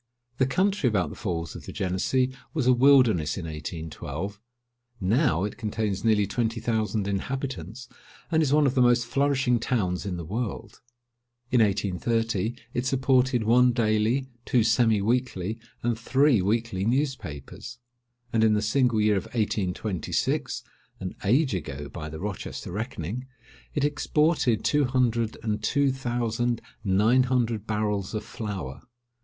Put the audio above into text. The country about the Falls of the Genessee was a wilderness in 1812. Now it contains nearly twenty thousand inhabitants, and is one of the most flourishing towns in the world. In 1830, it supported one daily, two semi weekly, and three weekly newspapers; and in the single year of 1826, (an age ago, by the Rochester reckoning,) it exported two hundred and two thousand nine hundred barrels of flour.